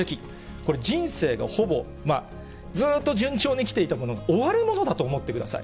これ、人生のほぼ、ずっと順調に来ていたものが終わるものだと思ってください。